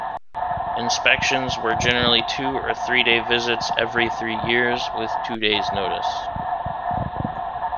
Inspections were generally two- or three-day visits every three years, with two days' notice.